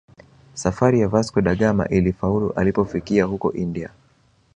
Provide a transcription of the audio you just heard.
Safari ya Vasco da Gama ilifaulu alipofikia huko India